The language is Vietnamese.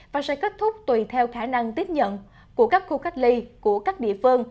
và sẽ kết thúc tùy theo khả năng tiếp nhận của các khu cách ly của các địa phương